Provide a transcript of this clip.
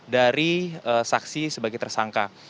dari saksi sebagai tersangka